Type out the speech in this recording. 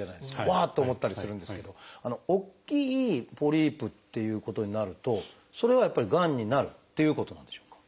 うわっ！と思ったりするんですけど大きいポリープっていうことになるとそれはやっぱりがんになるっていうことなんでしょうか？